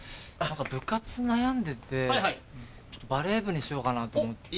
部活悩んでてバレー部にしようかなと思って。